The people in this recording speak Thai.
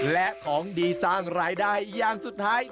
และของดีสร้างรายได้อย่างสุดท้าย